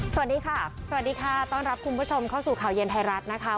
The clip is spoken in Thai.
สวัสดีค่ะสวัสดีค่ะต้อนรับคุณผู้ชมเข้าสู่ข่าวเย็นไทยรัฐนะคะ